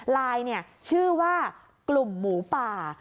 ลายชื่อว่ากลุ่มหมูป่า